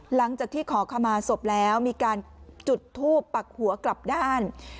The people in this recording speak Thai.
หลังจากที่ขอขมาศพแล้วมีการจุดทูปปักหัวกลับด้าน